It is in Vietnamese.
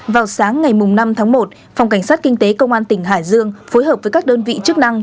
vào sáng ngày năm tháng một phòng cảnh sát kinh tế công an tỉnh hải dương phối hợp với các đơn vị chức năng